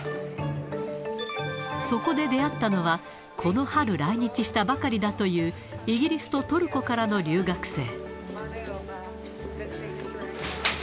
そこで出会ったのは、この春来日したばかりだという、イギリスとトルコからの留学生。